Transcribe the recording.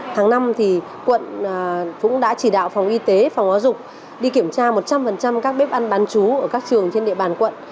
tháng năm quận cũng đã chỉ đạo phòng y tế phòng giáo dục đi kiểm tra một trăm linh các bếp ăn bán chú ở các trường trên địa bàn quận